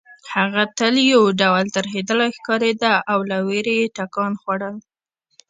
هغه تل یو ډول ترهېدلې ښکارېده او له وېرې یې ټکان خوړل